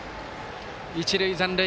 一塁残塁。